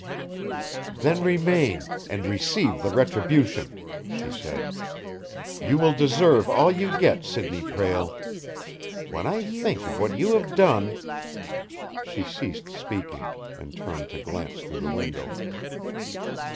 "Then remain and receive the retribution!" she said. "You will deserve all you get, Sidney Prale! When I think of what you have done " She ceased speaking, and turned to glance through the window.